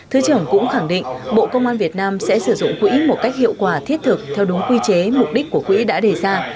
thứ trưởng cũng khẳng định bộ công an việt nam sẽ sử dụng quỹ một cách hiệu quả thiết thực theo đúng quy chế mục đích của quỹ đã đề ra